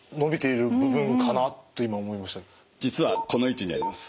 実はこの位置にあります。